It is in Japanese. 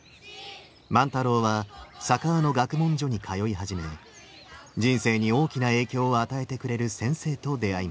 万太郎は佐川の学問所に通い始め人生に大きな影響を与えてくれる先生と出会います。